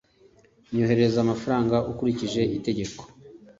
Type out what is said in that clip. nyoherereza amafaranga ukurikije itegeko